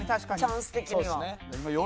チャンス的には。